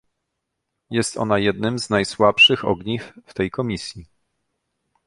Jest ona jednym z najsłabszych ogniw w tej Komisji